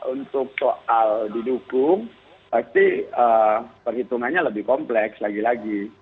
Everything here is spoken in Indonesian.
untuk soal didukung pasti perhitungannya lebih kompleks lagi lagi